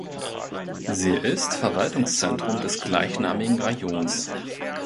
Sie ist Verwaltungszentrum des gleichnamigen Rajons.